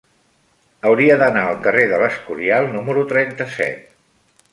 Hauria d'anar al carrer de l'Escorial número trenta-set.